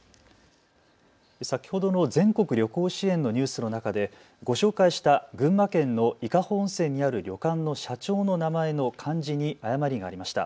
先ほどの全国旅行支援のニュースの中でご紹介した群馬県の伊香保温泉にある旅館の社長の名前の漢字に誤りがありました。